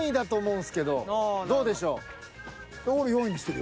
どうでしょう？